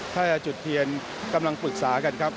ถ้าจะจุดเทียนกำลังปรึกษากันครับ